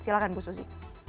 silahkan bu susi